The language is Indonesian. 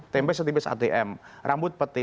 tempe setipis atm rambut peti